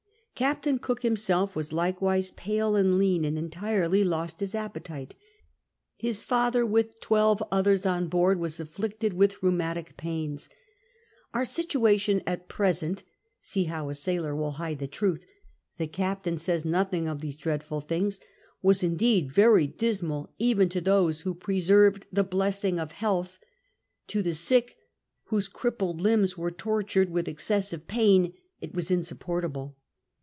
"Captain Cook himself was likewise pale and lean and entirely lost his appetite." His father, with twelve othei's on board, was afliicted with rheumatic pains. "Our situation at present" — see how a sailor will hide the truth — the captain says nothing of these dreadful things —" was indeed very dismal oven to those who preserved the blessing of health ; to the sick, whose crippled limbs were tortured with excessive pain, it was insupportable.